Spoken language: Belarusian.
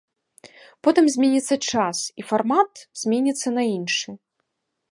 Потым зменіцца час, і фармат зменіцца на іншы.